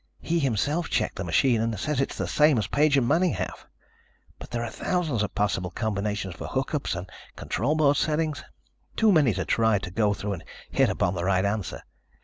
He himself checked the machine and says it is the same as Page and Manning have. But there are thousands of possible combinations for hookups and control board settings. Too many to try to go through and hit upon the right answer.